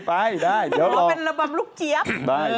ไปได้เดี๋ยวรอเป็นระบำลูกเจี๊ยบ